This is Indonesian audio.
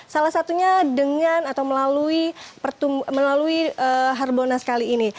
salah satunya dengan atau melalui harbonas kali ini